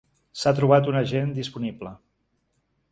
S'ha trobat un agent disponible.